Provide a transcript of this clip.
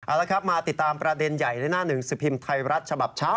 เอาละครับมาติดตามประเด็นใหญ่ในหน้าหนึ่งสิบพิมพ์ไทยรัฐฉบับเช้า